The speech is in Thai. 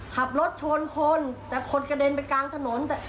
ขับรถชนคนแต่คนกระเด็นไปกลางถนน